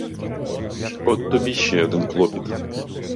От тобі ще один клопіт.